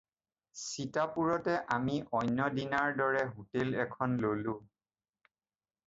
চিতাপুৰতে আমি অন্য দিনাৰ দৰে হোটেল এখন ল'লোঁ।